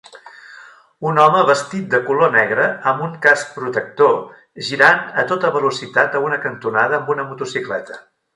Un home vestit de color negre amb un casc protector girant a tota velocitat a una cantonada amb una motocicleta.